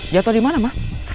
jatuh dimana ma